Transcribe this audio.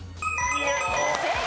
正解！